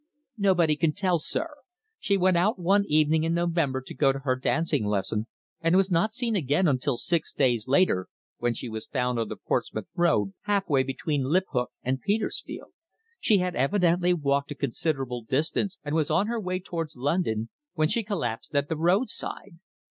"Nobody can tell, sir. She went out one evening in November to go to her dancing lesson, and was not seen again until six days later, when she was found on the Portsmouth Road half way between Liphook and Petersfield. She had evidently walked a considerable distance and was on her way towards London, when she collapsed at the roadside.